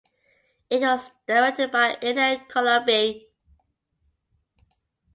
It was directed by Enea Colombi.